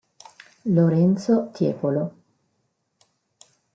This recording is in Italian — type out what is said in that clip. Lorenzo Tiepolo